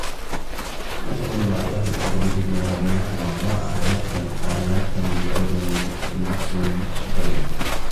وَأَنْشَدَنِي بَعْضُ أَهْلِ الْأَدَبِ لِابْنِ الرُّومِيِّ رَحِمَهُ اللَّهُ أَعَيَّرْتَنِي بِالنَّقْصِ وَالنَّقْصُ شَامِلٌ